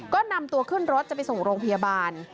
ก็นำตัวขึ้นรถจะไปส่งโรงพยาบาล